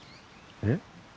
えっ？